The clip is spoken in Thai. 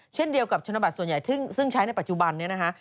เช่นเดียวกับชนบัตรส่วนใหญ่ซึ่งใช้ในปัจจุบันนี้นะคะ